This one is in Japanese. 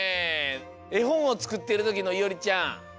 えほんをつくってるときのいおりちゃん